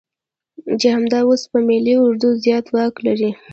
چې همدا اوس په ملي اردو زيات واک لري.